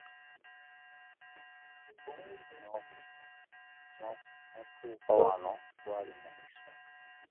N'otuuka wano gwali mukisa.